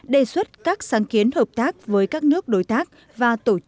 đề xuất các sáng kiến hợp tác với các nước đối tác